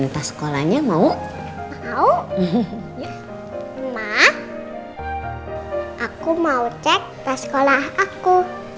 tas sekolahnya mau mau aku mau cek sekolah aku